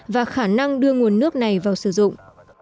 và khả năng đưa nguồn nước này vào sử dụng